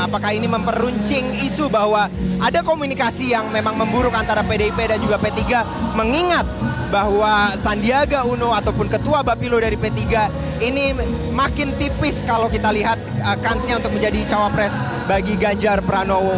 apakah ini memperuncing isu bahwa ada komunikasi yang memang memburuk antara pdip dan juga p tiga mengingat bahwa sandiaga uno ataupun ketua bapilo dari p tiga ini makin tipis kalau kita lihat kansnya untuk menjadi cawapres bagi ganjar pranowo